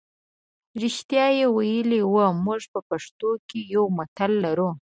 رښتیا یې ویلي وو موږ په پښتو کې یو متل لرو.